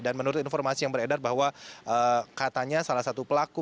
dan menurut informasi yang beredar bahwa katanya salah satu pelaku